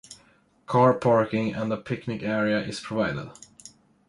Car parking and a picnic area is provided.